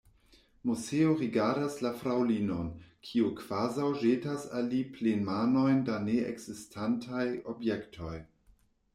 Moseo rigardas la fraŭlinon, kiu kvazaŭ ĵetas al li plenmanojn da neekzistantaj objektoj.